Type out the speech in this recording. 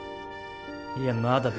いやまだだ。